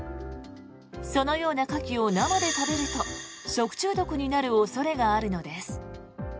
そのようなカキを生で食べると食中毒になる恐れがあるのです。